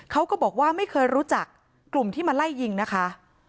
เขาก็บอกว่าไม่เคยรู้จักกลุ่มที่มาไล่ยิงนะคะ